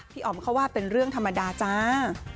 อ๋อมเขาว่าเป็นเรื่องธรรมดาจ้า